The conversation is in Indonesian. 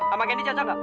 sama kendi cocok gak